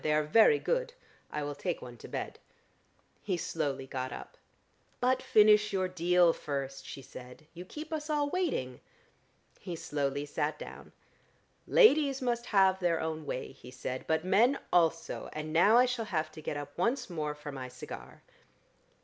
They are very good: I will take one to bed." He slowly got up. "But finish your deal first," she said. "You keep us all waiting." He slowly sat down. "Ladies must have their own way," he said. "But men also, and now I shall have to get up once more for my cigar."